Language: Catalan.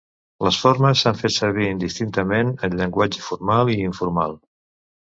Les formes s'han fet servir indistintament en llenguatge formal i informal.